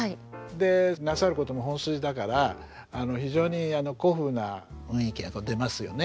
でなさることも本筋だから非常に古風な雰囲気が出ますよね。